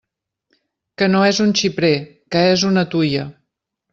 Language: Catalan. Que no és un xiprer, que és una tuia!